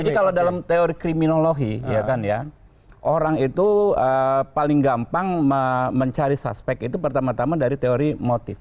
jadi kalau dalam teori kriminologi ya kan ya orang itu paling gampang mencari suspek itu pertama tama dari teori motif